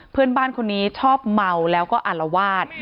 เพื่อนบ้านคนนี้ชอบเมาแล้วก็อารวาส